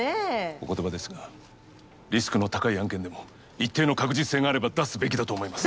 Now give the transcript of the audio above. お言葉ですがリスクの高い案件でも一定の確実性があれば出すべきだと思います。